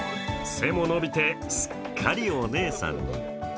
背も伸びてすっかりお姉さんに。